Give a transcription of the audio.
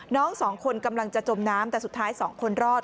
น้องสองคนกำลังจะจมน้ำแต่สุดท้ายสองคนรอด